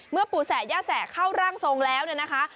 ปู่แสะย่าแสะเข้าร่างทรงแล้วเนี่ยนะคะ